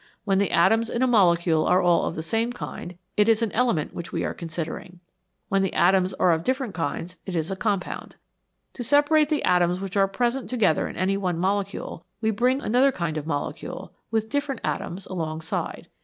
When the atoms in a mole cule are all of the same kind, it is an element which we are considering ; when the atoms are of different kinds, it is a compound. To separate the atoms which are present together in any one molecule, we bring another kind of molecule, with different atoms, alongside.